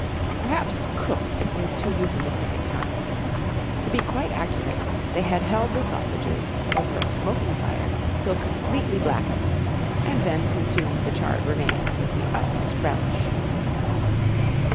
Perhaps "cooked" is too euphemistic a term. To be quite accurate, they had held the sausages over a smoking fire till completely blackened, and then consumed the charred remains with the utmost relish.